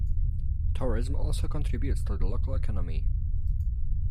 Tourism also contributes to the local economy.